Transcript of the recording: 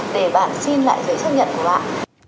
để bạn xin lại giấy chứng nhận của bạn